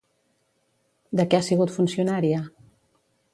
De què ha sigut funcionària?